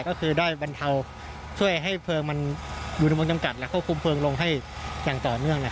ก็คือได้บรรเทาช่วยให้เพลิงมันอยู่ในวงจำกัดและควบคุมเพลิงลงให้อย่างต่อเนื่อง